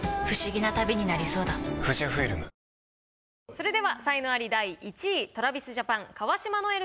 それでは才能アリ第１位ＴｒａｖｉｓＪａｐａｎ川島如恵